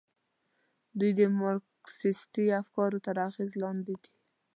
دوی د مارکسیستي افکارو تر اغېز لاندې دي.